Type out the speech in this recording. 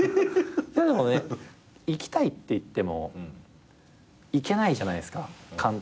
行きたいって言っても行けないじゃないですか簡単に。